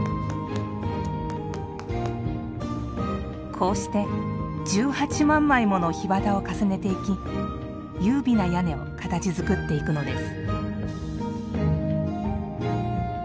こうして１８万枚もの檜皮を重ねていき、優美な屋根を形づくっていくのです。